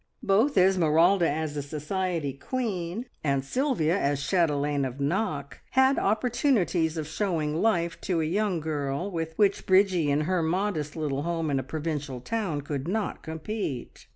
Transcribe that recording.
Both Esmeralda as a society queen, and Sylvia as chatelaine of Knock, had opportunities of showing life to a young girl, with which Bridgie in her modest little home in a provincial town could not compete.